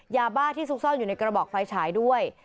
ยาบ้าที่ซุกซ่อนอยู่ในกระบอกไฟฉายด้วย